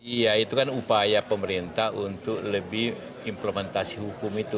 iya itu kan upaya pemerintah untuk lebih implementasi hukum itu